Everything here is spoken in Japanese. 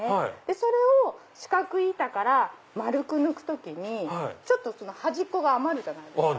それを四角い板から丸く抜く時に端っこが余るじゃないですか。